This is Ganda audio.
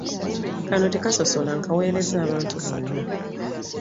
Kano tekasosola nkaweerezza abantu mwenna.